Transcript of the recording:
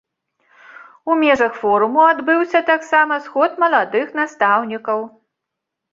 У межах форуму адбыўся таксама сход маладых настаўнікаў.